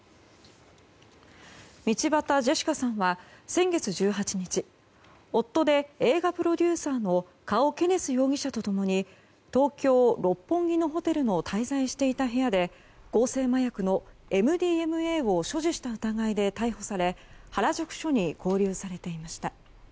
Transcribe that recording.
道端ジェシカさんは先月１８日夫で映画プロデューサーのカオ・ケネス容疑者と共に東京・六本木のホテルの滞在していた部屋で合成麻薬のＭＤＭＡを所持した疑いで逮捕され原宿署に勾留されていました。